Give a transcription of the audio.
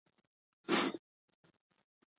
د ښځو کار کول د کورنۍ اقتصادي ثبات پیاوړی کوي.